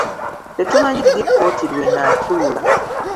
Tetumanyi ddi kkooti lw'enaatuula.